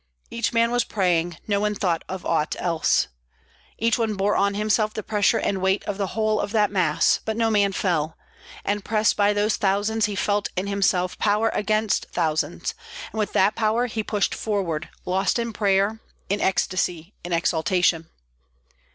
Each man was praying; no one thought of aught else. Each one bore on himself the pressure and weight of the whole of that mass, but no man fell; and pressed by those thousands he felt in himself power against thousands, and with that power he pushed forward, lost in prayer, in ecstasy, in exaltation.